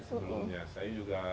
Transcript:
sebelumnya saya juga